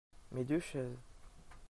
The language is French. Mes deux chaises.